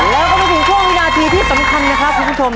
แล้วก็มาถึงช่วงวินาทีที่สำคัญนะครับคุณผู้ชม